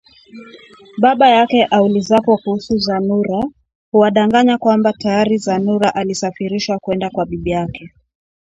Baba yake aulizwapo kuhusu Zanura huwadanganya kwamba tayari Zanura alisafirishwa kwenda kwa bibi yake